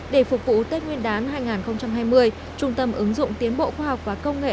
để phục vụ tết nguyên đán hai nghìn hai mươi trung tâm ứng dụng tiến bộ khoa học và công nghệ